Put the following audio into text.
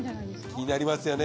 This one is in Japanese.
気になりますよね。